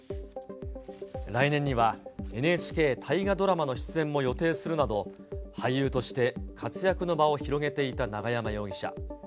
来年にはＮＨＫ大河ドラマの出演も予定するなど、俳優として活躍の場を広げていた永山容疑者。